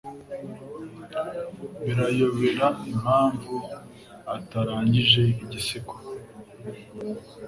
Birayobera impamvu atarangije igisigo